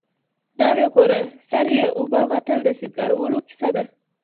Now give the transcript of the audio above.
ناوې ګوره سر یې اوبه متل د سینګارولو کیسه ده